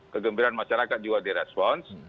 kegembiraan masyarakat juga di response